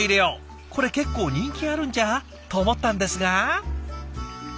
これ結構人気あるんじゃ？と思ったんですが。